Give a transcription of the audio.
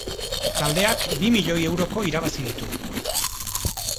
Taldeak bi milioi euroko irabazi ditu.